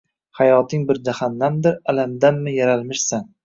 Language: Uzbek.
Hayoting bir jahannamdir, alamdanmi yaralmishsan?